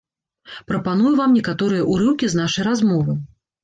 Прапаную вам некаторыя урыўкі з нашай размовы.